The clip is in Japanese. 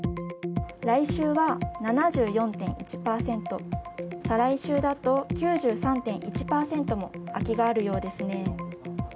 来週は７４．１％再来週だと９３．１％も空きがあるようですね。